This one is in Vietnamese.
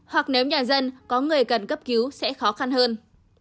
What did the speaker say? hoặc nếu nhà dân có người cần cấp cứu sẽ khó khăn hơn